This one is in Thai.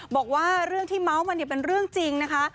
บอกว่าเรื่องที่เมาส์มาเนี่ยเป็นเรื่องจริงนะคะ